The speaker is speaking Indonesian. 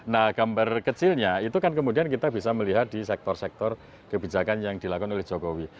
nah gambar kecilnya itu kan kemudian kita bisa melihat di sektor sektor kebijakan yang dilakukan oleh jokowi